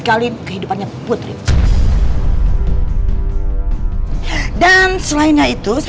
kalau adries dipilih avored bukan ada patuh pun